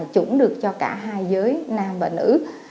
chủng được cho cả hai giới nam và nữ